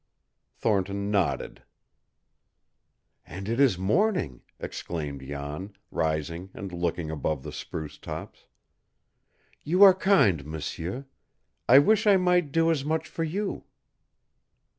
Thornton nodded. "And it is morning," exclaimed Jan, rising and looking above the spruce tops. "You are kind, m'sieur. I wish I might do as much for you."